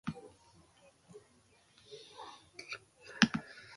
Zainetan zebilkien eta errukirik gabe oldartzen zitzaien, begiak itxi orduko.